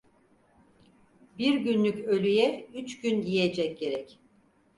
Bir günlük ölüye üç gün yiyecek gerek.